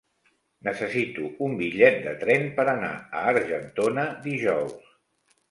Necessito un bitllet de tren per anar a Argentona dijous.